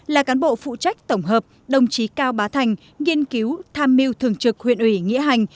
là cán bộ phụ trách tổng hợp đồng chí cao bá thành nghiên cứu tham mưu thường trực huyện ủy nghĩa hành